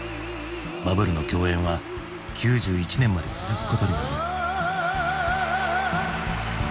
バブルの狂宴は９１年まで続くことになる。